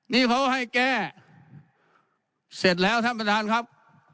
นี่เขาให้แก้เสร็จแล้วท่านประธานครับ